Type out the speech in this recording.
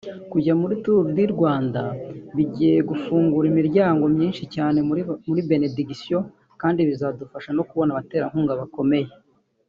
Kujya muri Tour du Rwanda bigeye gufungura imiryango myinshi cyane muri Benediction kandi bizadufasha no kubona abaterankunga bakomeye